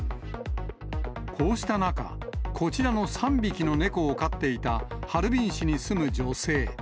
こうした中、こちらの３匹の猫を飼っていたハルビン市に住む女性。